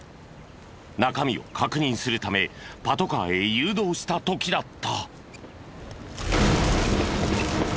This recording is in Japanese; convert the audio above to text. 中身を確認するためパトカーへ誘導した時だった。